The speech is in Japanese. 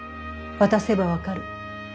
渡せば分かる。